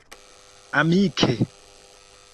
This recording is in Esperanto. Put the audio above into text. amike